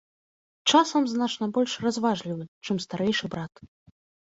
Часам значна больш разважлівы, чым старэйшы брат.